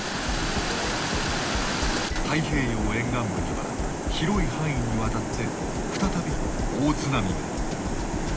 太平洋沿岸部には広い範囲にわたって再び大津波が。